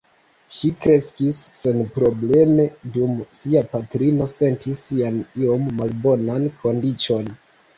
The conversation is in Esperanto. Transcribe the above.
Ŝi kreskis senprobleme dum sia patrino sentis sian iom malbonan kondiĉon.